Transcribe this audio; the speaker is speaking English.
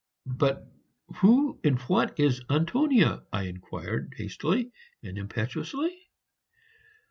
"But who and what is Antonia?" I inquired, hastily and impetuously.